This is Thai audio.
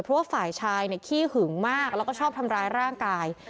เพราะว่าฝ่ายชายขี้หึงมากแล้วก็ชอบทำร้ายร่างกาย